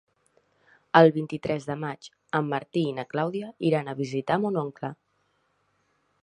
El vint-i-tres de maig en Martí i na Clàudia iran a visitar mon oncle.